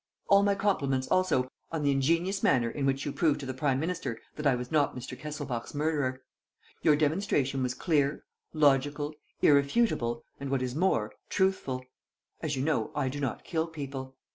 "All my compliments, also, on the ingenious manner in which you proved to the prime minister that I was not Mr. Kesselbach's murderer. Your demonstration was clear, logical, irrefutable and, what is more, truthful. As you know, I do not kill people.